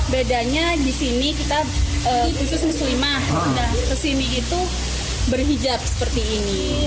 bedanya di sini kita khusus muslimah kesini itu berhijab seperti ini